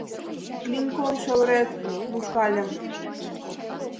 Клинкор шовырет мушкальым.